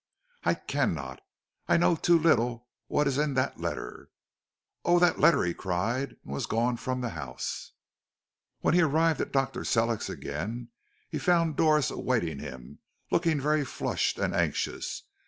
"I cannot I know too little what is in that letter." "Oh, that letter!" he cried, and was gone from the house. When he arrived at Dr. Sellick's again, he found Doris awaiting him, looking very flushed and anxious.